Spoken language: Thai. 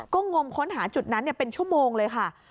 ก็งมค้นหาจุดนั้นเป็นชั่วโมงเลยค่ะ